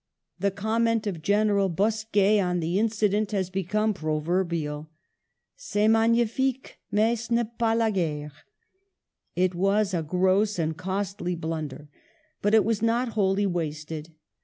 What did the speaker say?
The comment of General Bosquet on the incident has become proverbial : c^est magnifique mais ce n'est pas la guerre. It was a gross and costly blunder, but it was not wholly wasted.